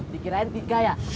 dikirain tiga ya